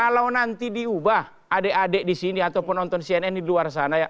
kalau nanti diubah adik adik di sini atau penonton cnn di luar sana